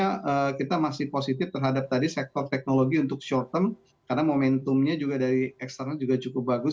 karena kita masih positif terhadap tadi sektor teknologi untuk short term karena momentumnya juga dari eksternal juga cukup bagus